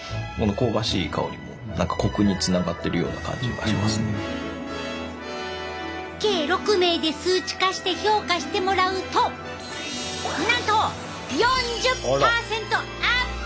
そして計６名で数値化して評価してもらうとなんと４０％アップ！